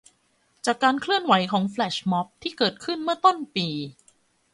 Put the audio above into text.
จากการเคลื่อนไหวของ แฟลชม็อบ ที่เกิดขึ้นเมื่อต้นปี